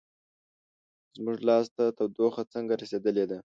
زموږ لاس ته تودوخه څنګه رسیدلې ده؟